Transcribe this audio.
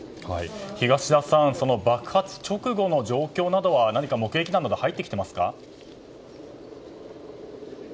東田さん、爆発直後の状況など何か目撃談などは入ってきていますか。